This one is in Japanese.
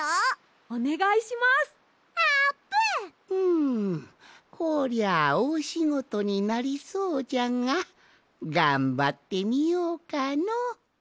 んこりゃおおしごとになりそうじゃががんばってみようかの！